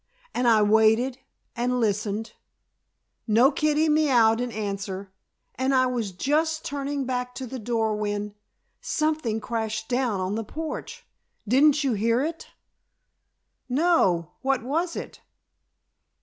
And I waited and listened. No kitty meowed an answer, and I was just turning back to the door when something crashed down on the porch! Didn't you hear it?" "No; what was it?"